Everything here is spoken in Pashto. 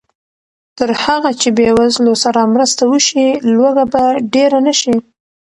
تر هغه چې بېوزلو سره مرسته وشي، لوږه به ډېره نه شي.